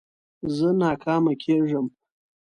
زه ناکامه کېږم.